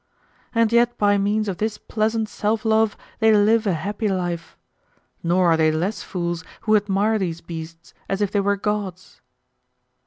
And yet by means of this pleasant self love they live a happy life. Nor are they less fools who admire these beasts as if they were gods.